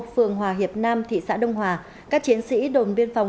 phường hòa hiệp nam thị xã đông hòa các chiến sĩ đồn biên phòng